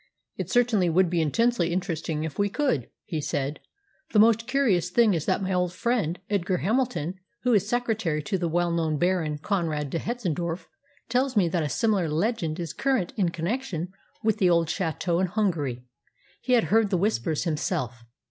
"It certainly would be intensely interesting if we could," he said, "The most curious thing is that my old friend Edgar Hamilton, who is secretary to the well known Baron Conrad de Hetzendorf, tells me that a similar legend is current in connection with the old château in Hungary. He had heard the Whispers himself."